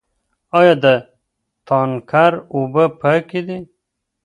آیا د تانکر اوبه پاکې دي؟